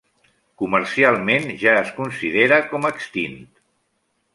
Comercialment ja es considera com extint.